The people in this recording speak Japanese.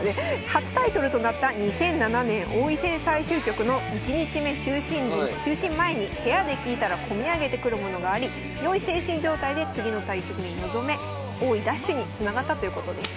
初タイトルとなった２００７年王位戦最終局の１日目就寝前に部屋で聴いたら込み上げてくるものがあり良い精神状態で次の対局に臨め王位奪取につながったということです。